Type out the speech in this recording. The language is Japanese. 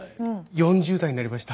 ４０代になりました。